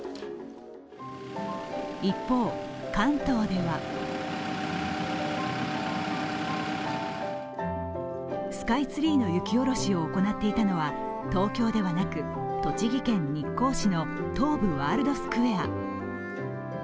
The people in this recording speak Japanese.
一方、関東ではスカイツリーの雪下ろしを行っていたのは東京ではなく東京ではなく、栃木県日光市の東武ワールドスクウェア。